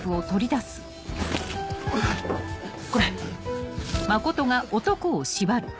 これ。